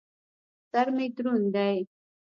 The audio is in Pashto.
سر مې دروند دى.